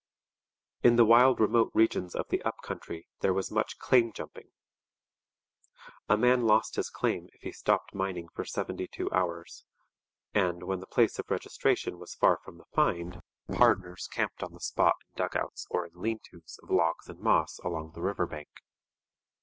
In the wild remote regions of the up country there was much 'claim jumping.' A man lost his claim if he stopped mining for seventy two hours, and when the place of registration was far from the find, 'pardners' camped on the spot in dugouts or in lean tos of logs and moss along the river bank.